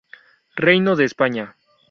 Reino de España